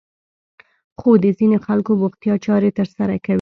خو د ځينې خلکو بوختيا چارې ترسره کوي.